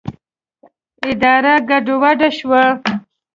اداره ګډه وډه شوه.